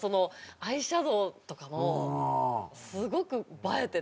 アイシャドーとかもすごく映えてて。